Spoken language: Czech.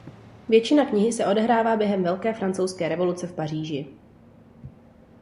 Většina knihy se odehrává během Velké francouzské revoluce v Paříži.